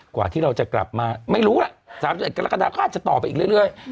กว่าที่เราจะกลับมาไม่รู้ล่ะสามสิบเอ็ดกรดาคมก็อาจจะต่อไปอีกเรื่อยเรื่อย